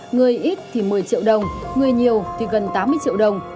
người ít thì một mươi triệu đồng người nhiều thì gần tám mươi triệu đồng